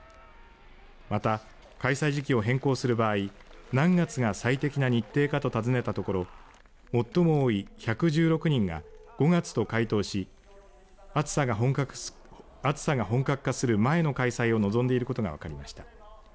また開催時期を変更する場合何月が最適な日程かと尋ねたところ最も多い１１６人が５月と回答し暑さが本格化する前の開催を望んでいることが分かりました。